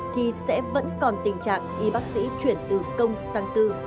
thì sẽ vẫn còn tình trạng y bác sĩ chuyển từ công sang tư